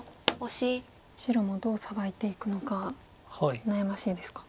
白もどうサバいていくのか悩ましいですか。